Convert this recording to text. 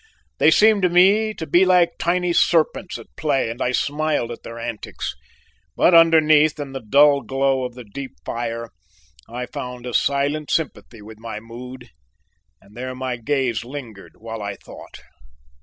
They seemed to me to be like tiny serpents at play and I smiled at their antics, but underneath in the dull glow of the deep fire I found a silent sympathy with my mood and there my gaze lingered while I thought.